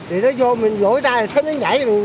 rút bình minh thường xuất hiện dày đặc